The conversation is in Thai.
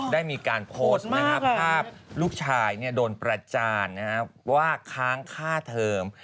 ได้มีการโพสต์นะครับภาพลูกชายโดนประจานนะครับว่าค้างค่าเทิม